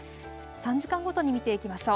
３時間ごとに見ていきましょう。